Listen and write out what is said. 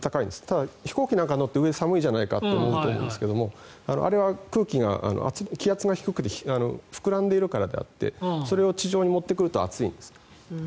ただ、飛行機なんかに乗って上、寒いじゃないかと思うかもしれませんがあれは空気が気圧が低くて膨らんでいるからであってそれを地上に持ってくると暑いんです。